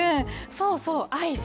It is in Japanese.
そうそう、アイス。